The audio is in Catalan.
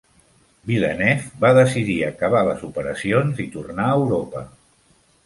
Villeneuve va decidir acabar les operacions i tornar a Europa.